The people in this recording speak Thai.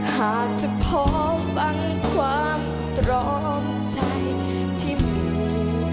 หากจะพอฟังความตรอมใจที่มี